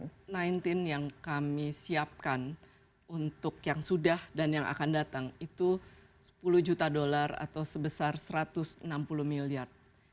dan dana covid sembilan belas yang kami siapkan untuk yang sudah dan yang akan datang itu sepuluh juta dollar atau sebesar satu ratus enam puluh miliar